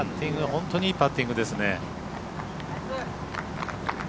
本当にいいパッティングですね。